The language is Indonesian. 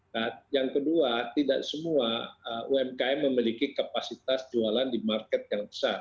nah yang kedua tidak semua umkm memiliki kapasitas jualan di market yang besar